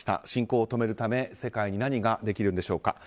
侵攻を止めるため世界に何ができるんでしょうか。